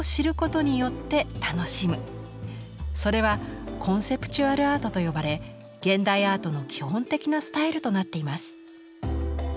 それは「コンセプチュアル・アート」と呼ばれ現代アートの基本的なスタイルとなっています。